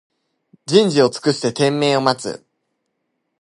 じんじをつくしててんめいをまつ